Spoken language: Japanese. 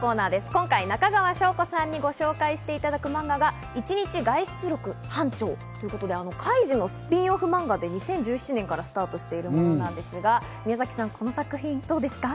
今回、中川翔子さんにご紹介していただくマンガは『１日外出録ハンチョウ』ということで『カイジ』のスピンオフマンガで２０１７年からスタートしているということなんですが、宮崎さん、この作品どうですか？